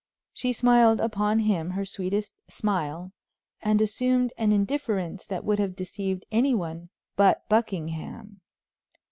She smiled upon him her sweetest smile, and assumed an indifference that would have deceived any one but Buckingham.